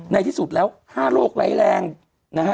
ในที่สุดแล้ว๕โรคไร้แรงนะฮะ